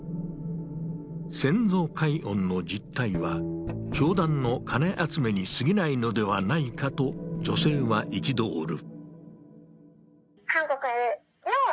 先祖解怨の実態は、教団の金集めにすぎないのではないかと女性は憤る。